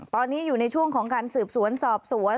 ตอนนี้อยู่ในช่วงของการสืบสวนสอบสวน